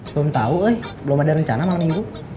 belum tahu eh belum ada rencana malam minggu